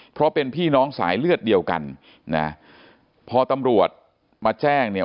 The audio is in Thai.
เพราะเป็นพี่น้องสายเลือดเดียวกันนะพอตำรวจมาแจ้งเนี่ย